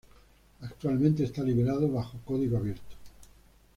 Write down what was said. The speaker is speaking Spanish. Actualmente está liberado bajo código abierto.